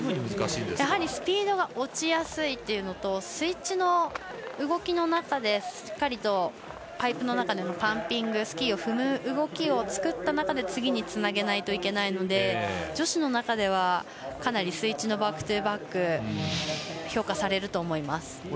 やはり、スピードが落ちやすいというのとスイッチの動きの中でしっかりとパイプの中でもパンピングスキーを踏む動きを作った中で次につなげないといけないので女子の中ではスイッチのバックトゥバック評価されると思います。